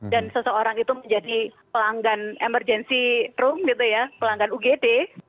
dan seseorang itu menjadi pelanggan emergency room gitu ya pelanggan ugd